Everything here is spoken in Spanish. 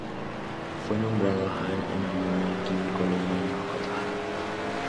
Fue nombrado Hahn en honor al químico alemán Otto Hahn.